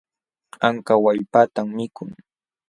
Anka wallpatan mikun.